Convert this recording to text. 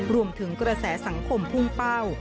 รวมถึงกระแสสังคมพุ่งเป้า